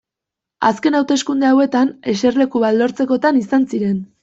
Azken hauteskunde hauetan eserleku bat lortzekotan izan ziren.